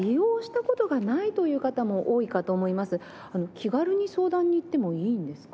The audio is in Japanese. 気軽に相談に行ってもいいんですか？